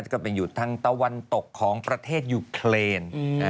ก็ไปอยู่ทางตะวันตกของประเทศยูเครน